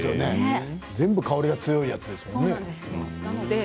全部香りが強いやつですね